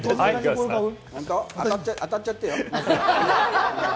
当たっちゃってよ。